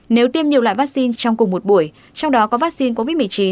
nếu tiêm nhiều loại vaccine trong cùng một buổi trong đó có vaccine covid một mươi chín